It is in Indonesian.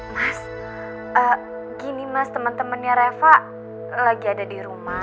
mas gini mas teman temannya reva lagi ada di rumah